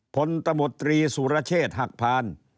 ตมตรีสุรเชษฐ์หักพาน